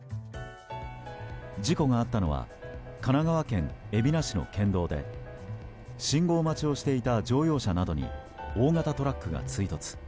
事故があったのは神奈川県海老名市の県道で信号待ちをしていた乗用車などに大型トラックが追突。